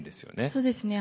そうですね。